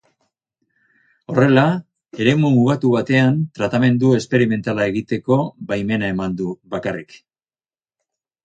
Horrela, eremu mugatu batean tratamendu esperimentala egiteko baimena eman du bakarrik.